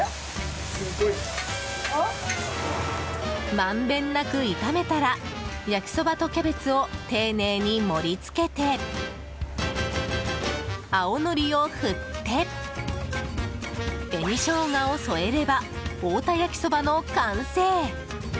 まんべんなく炒めたら焼きそばとキャベツを丁寧に盛りつけて青のりを振って紅ショウガを添えれば太田焼きそばの完成。